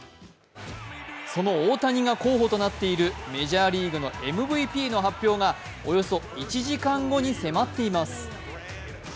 その大谷が候補となっているメジャーリーグのＭＶＰの発表がおよそ１時間後に迫っています。